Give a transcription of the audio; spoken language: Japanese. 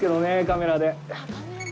カメラで。